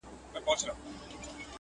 په دغه صورت مو وساتی وطن خپل!!